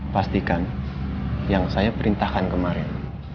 pastikan yang saya perintahkan kemarin